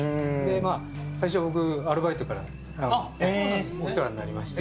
最初、僕、アルバイトからお世話になりまして。